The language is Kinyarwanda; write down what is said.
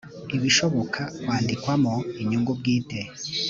ibishoboka kwandikwamo inyungu bwite